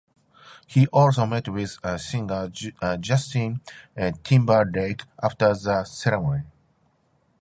He also met with singer Justin Timberlake after the ceremony.